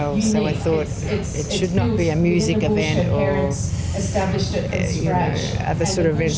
jadi saya pikir tidak harus menjadi event musik atau event lain seperti itu